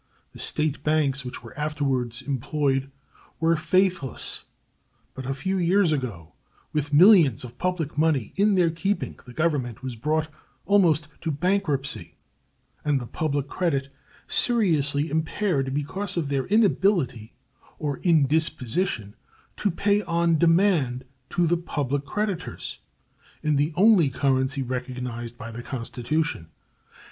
The State banks which were afterwards employed were faithless. But a few years ago, with millions of public money in their keeping, the Government was brought almost to bankruptcy and the public credit seriously impaired because of their inability or indisposition to pay on demand to the public creditors in the only currency recognized by the Constitution.